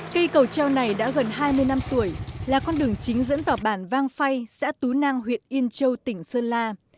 cây cầu treo này đã gần hai mươi năm tuổi là con đường chính dẫn vào bản vang phay xã tú nang huyện yên châu tỉnh sơn la